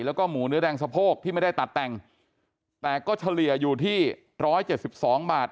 แล้วก็หมูเนื้อแดงสะโพกที่ไม่ได้ตัดแต่งแต่ก็เฉลี่ยอยู่ที่๑๗๒บาท